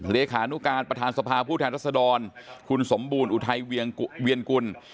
เลขานุการประธานสภาผู้แทนรัศดรคุณสมบูรณ์อุทัยเวียนกุล